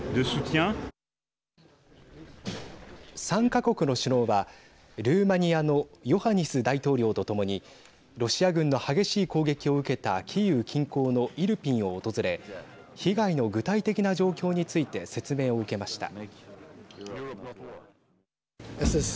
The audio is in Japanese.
３か国の首脳はルーマニアのヨハニス大統領とともにロシア軍の激しい攻撃を受けたキーウ近郊のイルピンを訪れ被害の具体的な状況について説明を受けました。